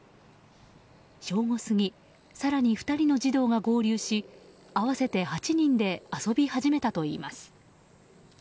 正午過ぎ更に２人の児童が合流し合わせて８人で遊び始めたといいます。